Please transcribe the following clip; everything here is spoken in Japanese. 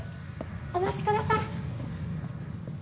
お待ちください！